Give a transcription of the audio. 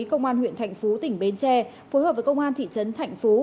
công an huyện thạnh phú tỉnh bến tre phối hợp với công an thị trấn thạnh phú